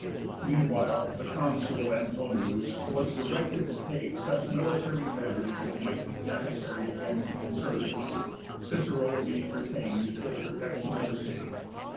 Meanwhile the Consul Antonius was directed to take such military measures as might be necessary against the insurgents, Cicero being retained for the protection of the city.